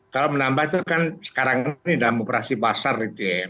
kalau menambah itu kan sekarang ini dalam operasi pasar